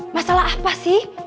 masalah apa sih